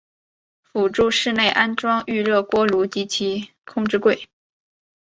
辅助室内安装预热锅炉及其控制柜。